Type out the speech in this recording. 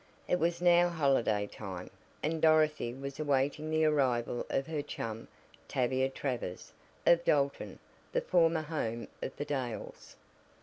It was now holiday time, and Dorothy was awaiting the arrival of her chum, Tavia Travers, of Dalton, the former home of the Dales.